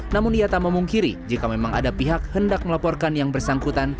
namun ia tak memungkiri jika memang ada pihak hendak melaporkan yang bersangkutan